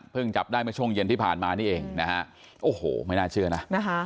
เพิ่งจับได้มาช่วงเย็นที่ผ่านมานี่เองนะครับโอ้โหไม่น่าเชื่อนะ